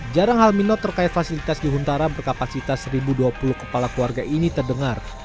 jarang hal minor terkait fasilitas di huntara berkapasitas seribu dua puluh kepala keluarga ini terdengar